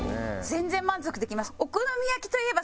全然満足できます。